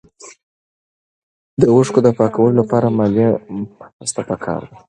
د اوښکو د پاکولو لپاره مالي مرسته پکار ده.